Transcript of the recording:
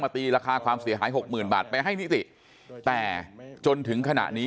ตีราคาความเสียหายหกหมื่นบาทไปให้นิติแต่จนถึงขณะนี้